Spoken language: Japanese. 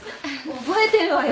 覚えてるわよ